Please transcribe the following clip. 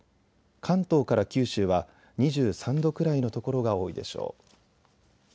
関東から九州は２３度くらいの所が多いでしょう。